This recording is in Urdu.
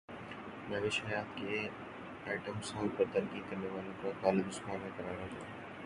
مہوش حیات کے ائٹم سانگ پر تنقید کرنے والوں کو خالد عثمان کا کرارا جواب